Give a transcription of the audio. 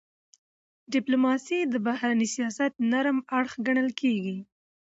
ډيپلوماسي د بهرني سیاست نرم اړخ ګڼل کېږي.